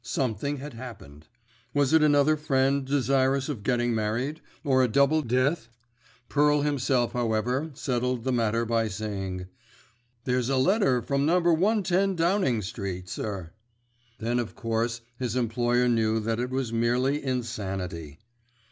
Something had happened. Was it another friend desirous of getting married, or a double death? Pearl himself, however, settled the matter by saying: "There's a letter from No. 110 Downing Street, sir." Then, of course, his employer knew that it was merely insanity.